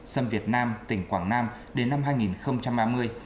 xâm việt nam tỉnh quảng nam đến năm hai nghìn ba mươi